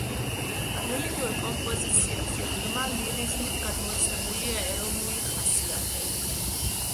რელიგიურ კომპოზიციებში ღრმა ლირიზმით გადმოცემულია ეროვნული ხასიათები.